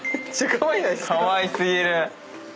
かわい過ぎる！